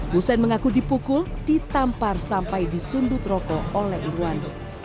hussein mengaku dipukul ditampar sampai disundut rokok oleh irwan